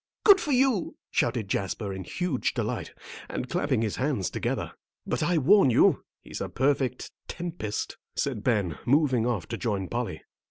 "Good for you!" shouted Jasper, in huge delight, and clapping his hands together. "But I warn you, he's a perfect tempest," said Ben, moving off to join Polly.